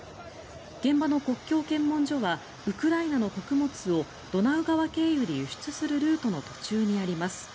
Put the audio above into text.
現場の国境検問所はウクライナの穀物をドナウ川経由で輸出するルートの途中にあります。